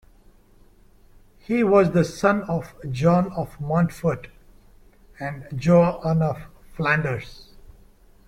He was the son of John of Montfort and Joanna of Flanders.